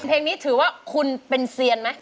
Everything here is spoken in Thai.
เพลงนี้ถือว่าคุณเป็นเซียนไหม